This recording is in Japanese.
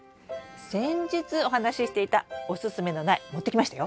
先日お話ししていたおすすめの苗持ってきましたよ！